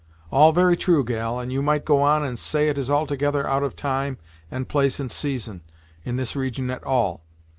"All very true, gal, and you might go on and say it is altogether out of time, and place and season, in this region at all.